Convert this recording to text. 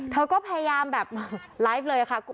เธอก็พยายามแบบไลฟ์เลยค่ะ